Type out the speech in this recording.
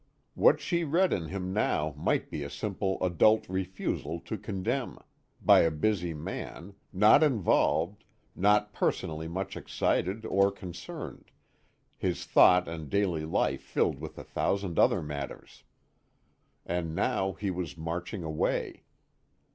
What she read in him now might be a simple adult refusal to condemn, by a busy man, not involved, not personally much excited or concerned, his thought and daily life filled with a thousand other matters. And now he was marching away.